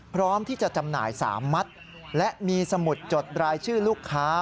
พร้อมที่จะจำหน่าย๓มัดและมีสมุดจดรายชื่อลูกค้า